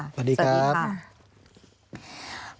สวัสดีครับ